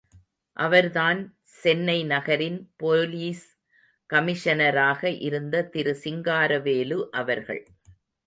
அவர்தான் சென்னை நகரின்போலீஸ் கமிஷனராக இருந்த திரு சிங்காரவேலு அவர்கள்.